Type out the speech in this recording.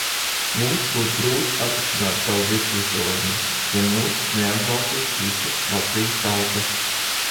Mums būs grūti atrisināt savu virsuzdevumu, ja mūs neatbalstīs visa Latvijas tauta.